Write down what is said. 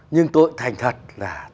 nhưng tôi thành thật là